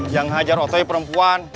yang ngehajar otoy perempuan